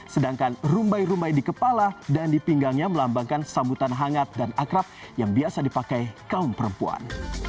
sedangkan rumbai rumbai di kepala dan di pinggangnya melambangkan sambutan hangat dan akrab yang biasa dipakai kaum perempuan